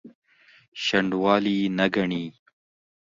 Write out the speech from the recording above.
شنډوالي نه ګڼي.